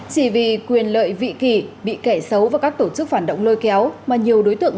chỉ vì quyền lợi vị kỳ bị kẻ xấu và các tổ chức phản động lôi kéo mà nhiều đối tượng